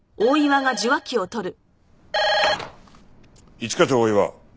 ！？一課長大岩。